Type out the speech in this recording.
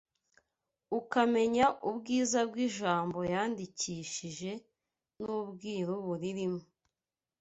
ukamenya ubwiza bw’ijambo yandikishije n’ubwiru buririmo